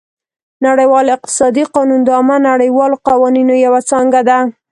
نړیوال اقتصادي قانون د عامه نړیوالو قوانینو یوه څانګه ده